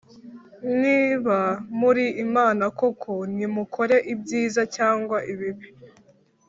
Niba muri imana koko, nimukore ibyiza cyangwa ibibi